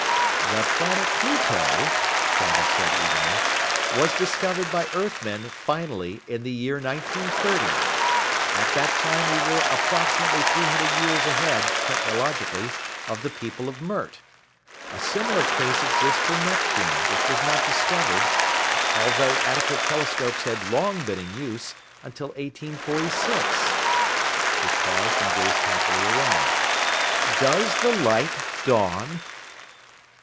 "The planet Pluto," Travis said evenly, "was discovered by Earthmen, finally, in the year 1930. At that time we were approximately 300 years ahead, technologically, of the people of Mert. A similar case exists for Neptune, which was not discovered, although adequate telescopes had long been in use, until 1846." He paused and gazed happily around. "Does the light dawn?"